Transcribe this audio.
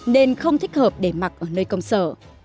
nên không thích hợp để mặc ở nơi công sở